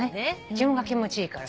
自分が気持ちいいから。